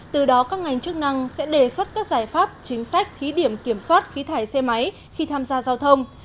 từ đó các ngành chức năng sẽ đề xuất các giải pháp chính sách thí điểm kiểm soát khí thải xe máy khi tham gia giao thông